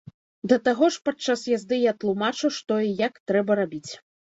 Да таго ж падчас язды я тлумачу, што і як трэба рабіць.